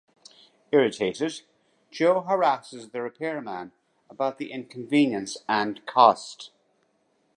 Irritated, Joe harasses the repairman about the inconvenience and cost.